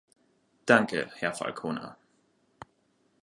Danke, Herr Falconer.